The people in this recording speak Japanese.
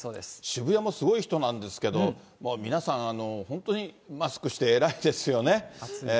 渋谷もすごい人なんですけれども、皆さん、本当にマスクして、偉いですよね。